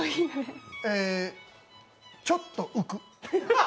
えちょっと浮く？